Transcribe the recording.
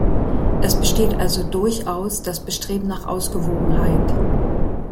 Es besteht also durchaus das Bestreben nach Ausgewogenheit.